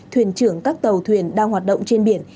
thuyền trưởng các tàu thuyền đang hoạt động trên biển